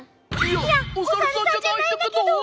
いやおさるさんじゃないんだけど！